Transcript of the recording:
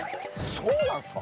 そうなんっすか？